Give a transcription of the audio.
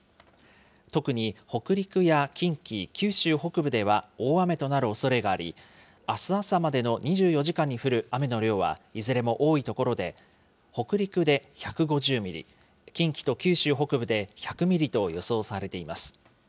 特に北陸や近畿、九州北部では大雨となるおそれがあり、あす朝までの２４時間に降る雨の量はいずれも多い所で、北陸で１５０ミリ、近畿と九州北部で１００ミリと予想されています。